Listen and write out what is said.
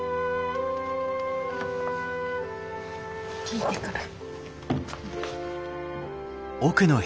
聞いてくる。